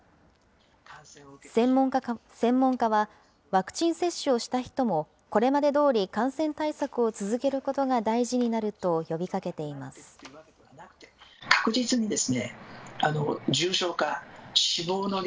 専門家は、ワクチン接種をした人も、これまでどおり感染対策を続けることが大事になると呼びかけています。